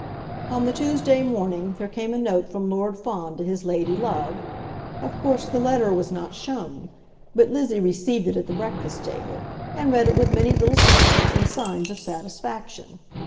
On the Tuesday morning there came a note from Lord Fawn to his lady love. Of course the letter was not shown, but Lizzie received it at the breakfast table, and read it with many little smiles and signs of satisfaction.